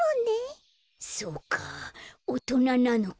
そうかおとななのか。